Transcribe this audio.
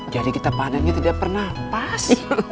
jadi kita panennya tidak pernah pas